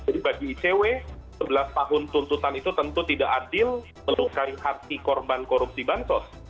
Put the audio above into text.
jadi bagi icw sebelas tahun tuntutan itu tentu tidak adil melukai hati korban korupsi bantos